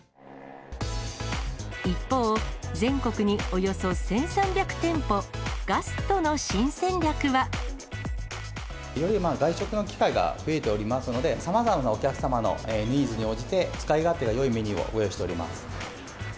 一方、全国におよそ１３００店舗、ガストの新戦略は。より外食の機会が増えておりますので、さまざまなお客様のニーズに応じて、使い勝手がよいメニューをご用意しております。